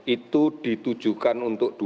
itu ditujukan untuk dua